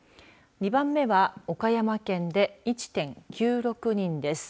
２番目は岡山県で１．９６人です。